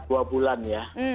dua bulan ya